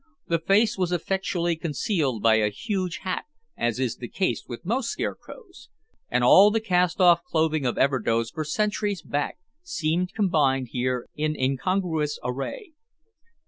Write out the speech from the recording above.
The face was effectually concealed by a huge hat as is the case with most scarecrows, and all the cast off clothing of Everdoze for centuries back seemed combined here in incongruous array.